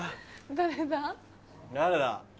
誰だ。